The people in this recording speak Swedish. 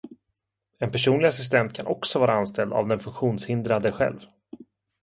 En personlig assistent kan också vara anställd av den funktionshindrade själv.